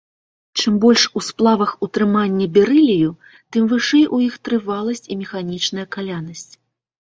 Чым больш у сплавах утрыманне берылію, тым вышэй у іх трываласць і механічная калянасць.